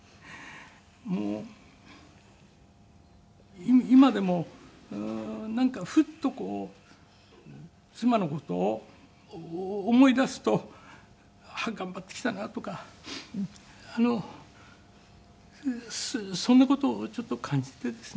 もう今でもなんかフッと妻の事を思い出すと頑張ってきたなとかそんな事をちょっと感じてですね。